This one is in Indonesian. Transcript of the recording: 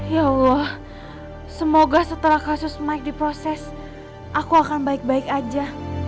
ya allah semoga setelah kasus mike diproses aku akan baik baik aja